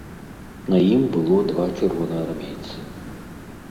На ім было два чырвонаармейцы.